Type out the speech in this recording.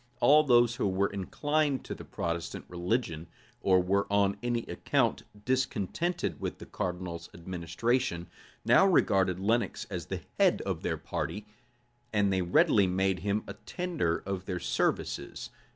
All those who were inclined to the Protestant religion, or were on any account discontented with the cardinal's administration, now regarded Lenox as the head of their party, and they readily made him a tender of their services.